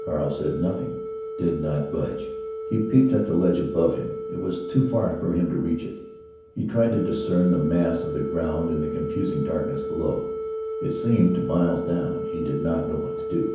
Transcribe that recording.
Carl said nothing; did not budge. He peeped at the ledge above him. It was too far for him to reach it. He tried to discern the mass of the ground in the confusing darkness below. It seemed miles down. He did not know what to do.